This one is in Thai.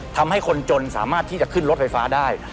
ทำให้คนจนสามารถที่จะขึ้นรถไฟฟ้าได้